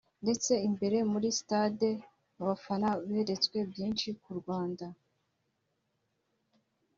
ndetse imbere muri stade abafana beretswe byinshi ku Rwanda